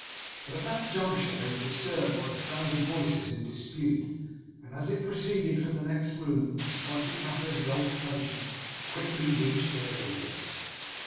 But at that juncture they were disturbed by the sound of voices in dispute; and as it proceeded from the next room, the subject matter of the altercation quickly reached their ears.